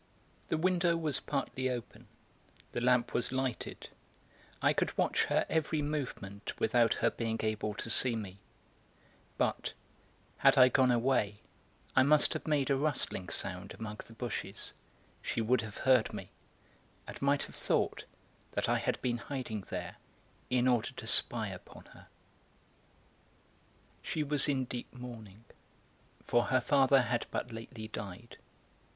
The window was partly open; the lamp was lighted; I could watch her every movement without her being able to see me; but, had I gone away, I must have made a rustling sound among the bushes, she would have heard me, and might have thought that I had been hiding there in order to spy upon her. She was in deep mourning, for her father had but lately died.